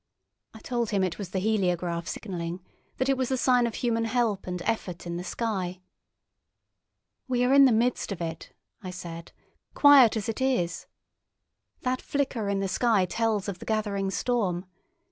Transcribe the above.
I told him it was the heliograph signalling—that it was the sign of human help and effort in the sky. "We are in the midst of it," I said, "quiet as it is. That flicker in the sky tells of the gathering storm.